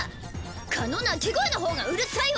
蚊の鳴き声のほうがうるさいわ！